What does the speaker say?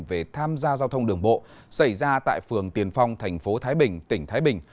về tham gia giao thông đường bộ xảy ra tại phường tiền phong thành phố thái bình tỉnh thái bình